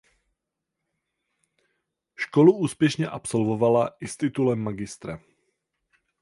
Školu úspěšně absolvovala i s titulem magistra.